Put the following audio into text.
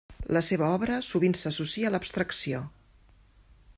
La seva obra sovint s'associa a l'abstracció.